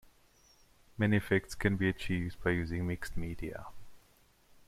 Many effects can be achieved by using mixed media.